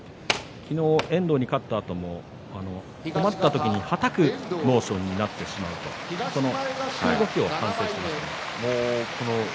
昨日、遠藤に勝ったあとも止まったあとにはたくモーションになってしまうと引く動きを反省していました。